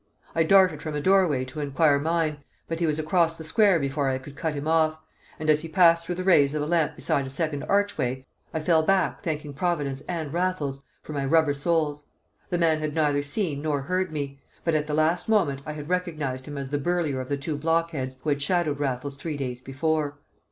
I darted from a doorway to inquire mine, but he was across the square before I could cut him off, and as he passed through the rays of a lamp beside a second archway, I fell back thanking Providence and Raffles for my rubber soles. The man had neither seen nor heard me, but at the last moment I had recognised him as the burlier of the two blockheads who had shadowed Raffles three days before.